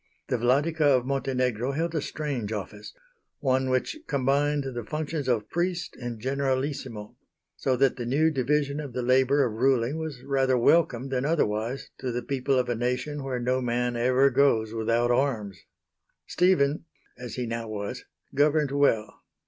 The Vladika of Montenegro held a strange office one which combined the functions of priest and generalissimo so that the new division of the labour of ruling was rather welcome than otherwise to the people of a nation where no man ever goes without arms. Stephen as he now was governed well.